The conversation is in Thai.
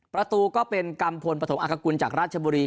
ประตูก็เป็นกัมพลปฐมอักกุลจากราชบุรี